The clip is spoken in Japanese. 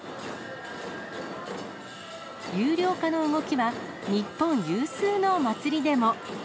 有料化の動きは、日本有数の祭りでも。